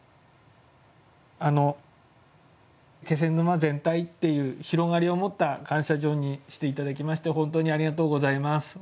あの気仙沼全体っていう広がりを持った感謝状にして頂きまして本当にありがとうございます。